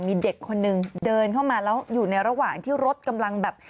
มีเด็กคนนึงเดินเข้ามาแล้วอยู่ในระหว่างที่รถกำลังแบบ